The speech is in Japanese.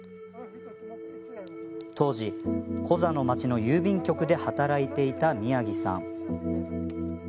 当時、コザの町の郵便局で働いていた宮城さん。